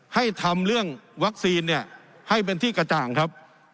ให้ทำเรื่องวัคซีนเนี่ยให้เป็นที่กระจ่างครับ